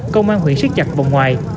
công an huyện siết chặt vòng ngoài